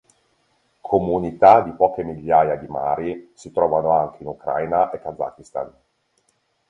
Comunità di poche migliaia di mari si trovano anche in Ucraina e Kazakistan.